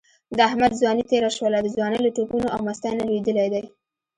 د احمد ځواني تېره شوله، د ځوانۍ له ټوپونو او مستۍ نه لوېدلی دی.